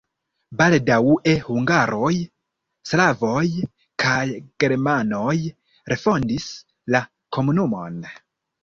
Baldaŭe hungaroj, slavoj kaj germanoj refondis la komunumon.